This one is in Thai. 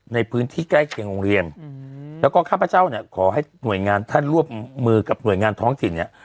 ในพื้นที่ใกล้เคียงโรงเรียน